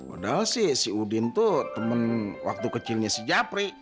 udah sih si udin tuh temen waktu kecilnya si japri